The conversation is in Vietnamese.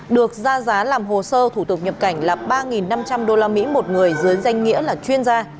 được ra giá làm hồ sơ thủ tục nhập cảnh là ba năm trăm linh usd một người dưới danh nghĩa là chuyên gia